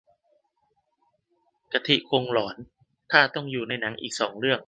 กะทิคงหลอนถ้าต้องไปอยู่ในหนังอีกสองเรื่อง